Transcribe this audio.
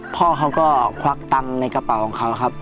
พ่อเขาก็ควักตังค์ในกระเป๋าของเขาครับ